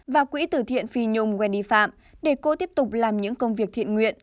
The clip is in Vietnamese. và quỹ tử thiện phi nhung wendy phạm để cô tiếp tục làm những công việc thiện nguyện